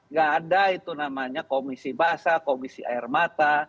nggak ada itu namanya komisi basa komisi air mata